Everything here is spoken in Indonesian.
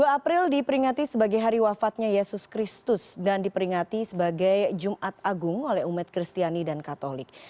dua april diperingati sebagai hari wafatnya yesus kristus dan diperingati sebagai jumat agung oleh umat kristiani dan katolik